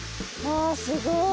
わすごい。